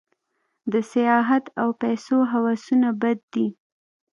د سیاحت او پیسو هوسونه بد دي.